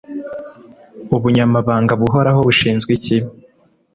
Ubunyamabanga Buhoraho bushinzwe iki?